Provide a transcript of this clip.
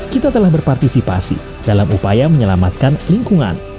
kita telah berpartisipasi dalam upaya menyelamatkan lingkungan